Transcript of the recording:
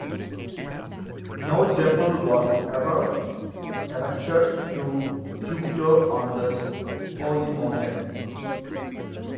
No temple was ever erected to Jupiter on this holy mountain.